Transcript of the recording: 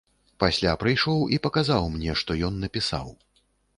Пасля прыйшоў і паказаў мне, што ён напісаў.